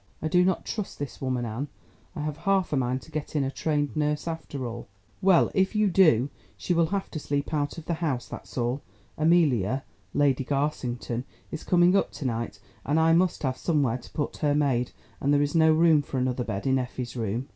I do not trust this woman Anne. I have half a mind to get in a trained nurse after all." "Well, if you do, she will have to sleep out of the house, that's all. Amelia (Lady Garsington) is coming up to night, and I must have somewhere to put her maid, and there is no room for another bed in Effie's room."